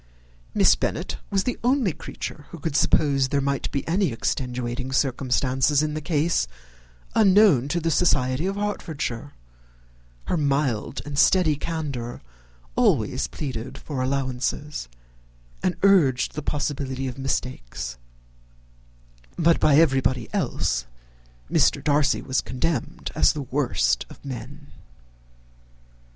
Miss Bennet was the only creature who could suppose there might be any extenuating circumstances in the case unknown to the society of Hertfordshire: her mild and steady candour always pleaded for allowances, and urged the possibility of mistakes; but by everybody else Mr. Darcy was condemned as the worst of men.